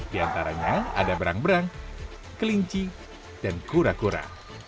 di antaranya ada berang berang kelinci dan kura kura